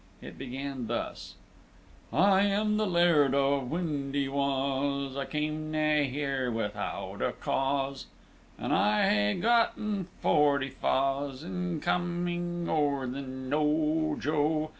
It began thus: "I am the Laird of Windy wa's, I cam nae here without a cause, An' I hae gotten forty fa's In coming o'er the knowe, joe.